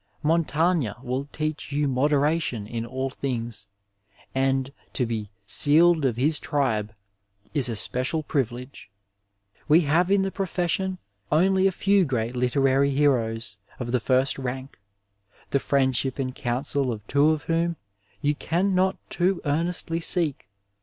884 Digitized byVjOOQlC THE MASTER. WOKD IN MEDICINE Montaigne will teach 70a moderation in all things, and to be " sealed of his tribe *' is a special privilege. We have in the profession only a few great literary heroes of the first rank, the friendship and counsel of two of whom you can not too earnestly seek.